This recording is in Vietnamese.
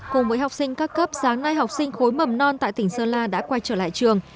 cùng với học sinh các cấp sáng nay học sinh khối mầm non tại tỉnh sơn la đã quay trở lại trường